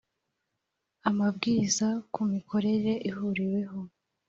amabwiriza ku mikorere ihuriweho